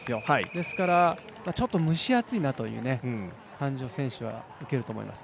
ですからちょっと蒸し暑いなという感じを選手は受けると思います。